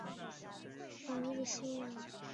王日休人。